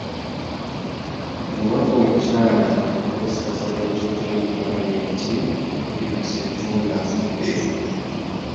Omubaka omukyala ow'essaza lya Kyotera mu Palamenti, Robinah Ssentongo afudde